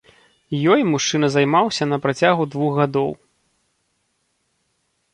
Ёй мужчына займаўся на працягу двух гадоў.